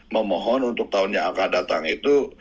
memohon untuk tahun yang akan datang itu